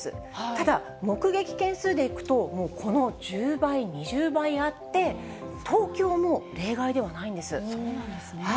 ただ、目撃件数でいくと、もうこの１０倍、２０倍あって、そうなんですね。